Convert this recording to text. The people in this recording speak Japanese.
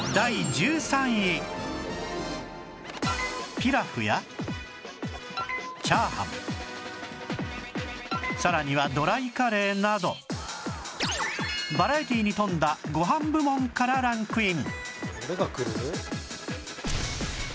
ピラフや炒飯さらにはドライカレーなどバラエティーに富んだご飯部門からランクイン